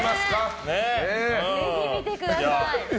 ぜひ見てください。